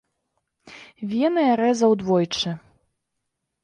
Вены я рэзаў двойчы.